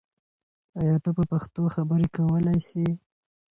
آیا ته په پښتو خبرې کولای سې؟